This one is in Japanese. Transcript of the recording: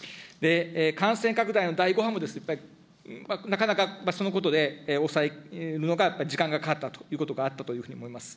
感染拡大の第５波も、なかなかそのことで抑えるのが時間がかかったということがあったと思います。